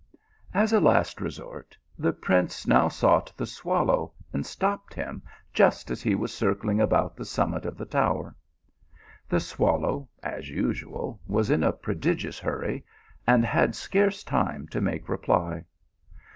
As a last resort, the prince now sought the swal low, and stopped him just as he was circling about the summit of the tower. The swallow as usual was in a prodigious hurry, and had scarce time to make a reply.